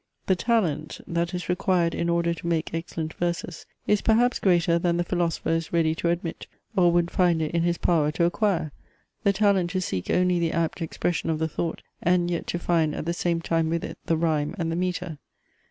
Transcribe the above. "The talent, that is required in order to make, excellent verses, is perhaps greater than the philosopher is ready to admit, or would find it in his power to acquire: the talent to seek only the apt expression of the thought, and yet to find at the same time with it the rhyme and the metre.